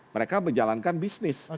mereka menjalankan bisnis